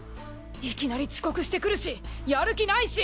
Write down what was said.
いきなり遅刻してくるしやる気ないし。